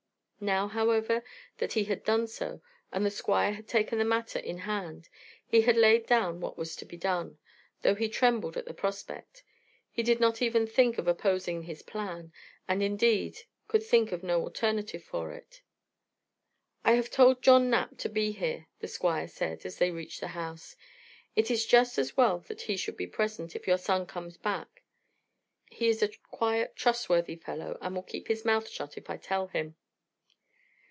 Now, however, that he had done so, and the Squire had taken the matter in hand, and had laid down what was to be done, though he trembled at the prospect, he did not even think of opposing his plan, and indeed could think of no alternative for it. "I have told John Knapp to be here," the Squire said, as they reached the house. "It is just as well that he should be present if your son comes back again. He is a quiet, trustworthy fellow, and will keep his mouth shut if I tell him."